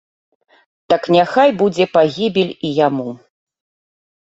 Так няхай будзе пагібель і яму!